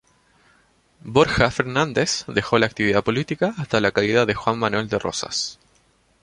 Borja Fernández dejó la actividad política hasta la caída de Juan Manuel de Rosas.